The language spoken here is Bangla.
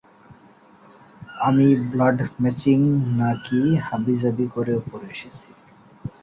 আমি ব্লাড ম্যাচিং নাকি কী হাবিজাবি করে উপরে এসেছি।